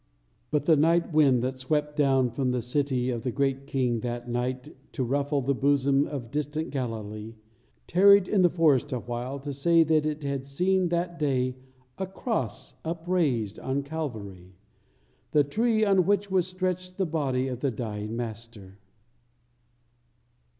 But the night wind that swept down from the City of the Great King that night to ruffle the bosom of distant Galilee, tarried in the forest awhile to say that it had seen that day a cross upraised on Calvary, the tree on which was stretched the body of the dying Master.